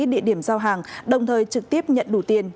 địa điểm giao hàng đồng thời trực tiếp nhận đủ tiền